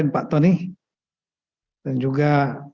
pak tony dan juga